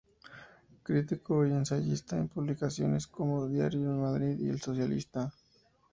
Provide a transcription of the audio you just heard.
Crítico y ensayista en publicaciones como Diario de Madrid y El Socialista.